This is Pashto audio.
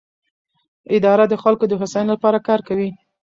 اداره د خلکو د هوساینې لپاره کار کوي.